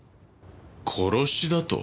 殺しだと？